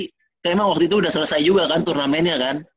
kayaknya emang waktu itu udah selesai juga kan turnamennya kan